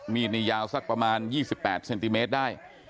มีดนี่ยาวสักประมาณ๒๘เซนติเมตรได้